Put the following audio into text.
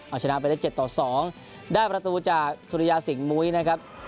เอาชนะไปได้๗ต่อ๒ได้ประตูจากสุริยาสิงหมุ้ยนะครับ